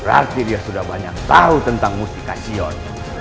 berarti dia sudah banyak tahu tentang mustika sion